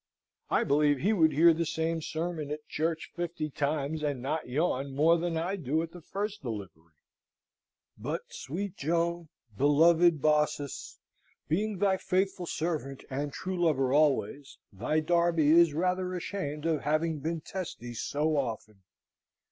I believe he would hear the same sermon at church fifty times, and not yawn more than I do at the first delivery. But sweet Joan, beloved Baucis! being thy faithful husband and true lover always, thy Darby is rather ashamed of having been testy so often!